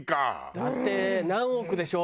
だって何億でしょ？